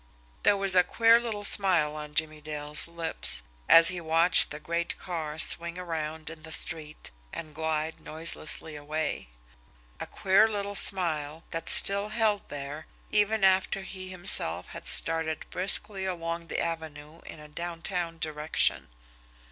There was a queer little smile on Jimmie Dale's lips, as he watched the great car swing around in the street and glide noiselessly away a queer little smile that still held there even after he himself had started briskly along the avenue in a downtown direction.